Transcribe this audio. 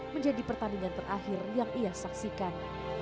menjadi pertandingan terakhir yang ia saksikan